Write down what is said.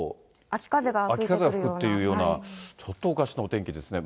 秋風が吹くというような、ちょっとおかしなお天気ですね。